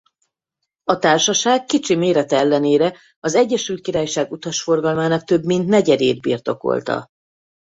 A társaság kicsi mérete ellenére az Egyesült Királyság utasforgalmának több mint negyedét birtokolta.